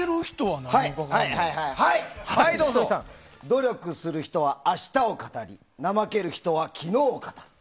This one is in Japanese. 努力する人は明日を語り怠ける人は昨日を語る。